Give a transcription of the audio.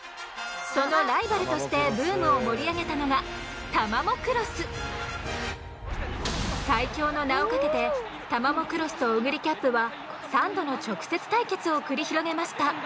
そのライバルとしてブームを盛り上げたのが最強の名をかけてタマモクロスとオグリキャップは３度の直接対決を繰り広げました。